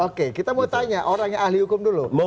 oke kita mau tanya orang yang ahli hukum dulu